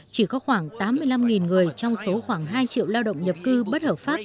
chỉ có khoảng tám mươi năm người trong số khoảng hai triệu lao động nhập cư bất hợp pháp